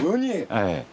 はい。